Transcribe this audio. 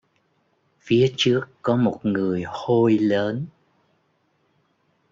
Phía trước có một người hôi lớn